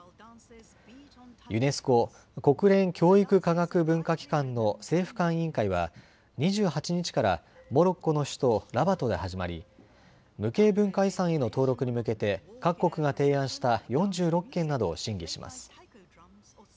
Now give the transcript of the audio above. ユネスコ・国連教育科学文化機関の政府間委員会は２８日からモロッコの首都ラバトで始まり無形文化遺産への登録に向けて各国が提案した４６件などを審議します。